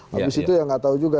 habis itu ya gak tau juga